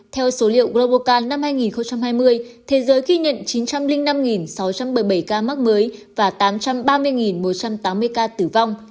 theo số liệu global can năm hai nghìn hai mươi thế giới ghi nhận chín trăm linh năm sáu trăm bảy mươi bảy ca mắc mới và tám trăm ba mươi một trăm tám mươi ca tử vong